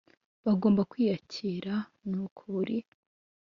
bagomba kwiyakirira nuko buri